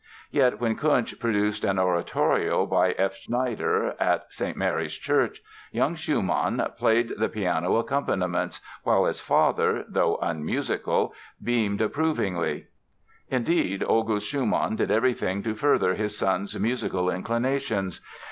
Yet when Kuntzsch produced an oratorio by F. Schneider at Saint Mary's Church, young Schumann played the piano accompaniments while his father, though unmusical, beamed approvingly. Indeed, August Schumann did everything to further his son's musical inclinations.